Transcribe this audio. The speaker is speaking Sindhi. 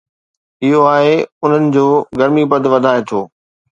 اهو آهي، انهن جو گرمي پد وڌائي ٿو